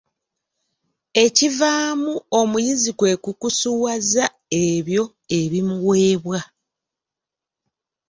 Ekivaamu omuyizi kwe kukusuwaza ebyo ebimuweebwa.